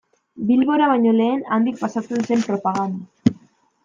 Bilbora baino lehen, handik pasatzen zen propaganda.